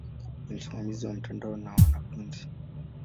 Ni msimamizi wa mtandao na wa wanafunzi.